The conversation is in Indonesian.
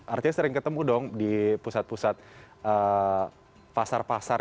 artinya sering ketemu dong di pusat pusat pasar pasar